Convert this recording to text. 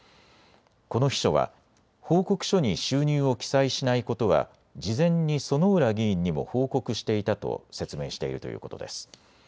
この秘書は報告書に収入を記載しないことは事前に薗浦議員にも報告していたと説明しているということです。